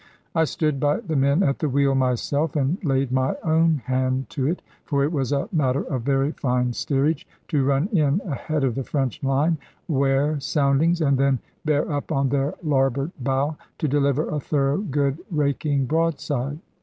I stood by the men at the wheel myself, and laid my own hand to it: for it was a matter of very fine steerage, to run in ahead of the French line, ware soundings, and then bear up on their larboard bow, to deliver a thorough good raking broadside.